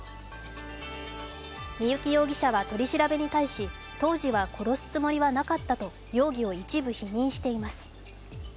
三幸紀容疑者は取り調べに対し当時は殺すつもりはなかったと容疑を一部否認しています。